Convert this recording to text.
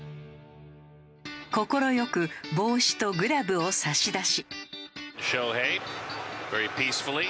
快く帽子とグラブを差し出し。